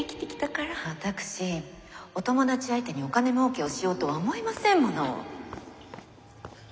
私お友達相手にお金もうけをしようとは思いませんもの。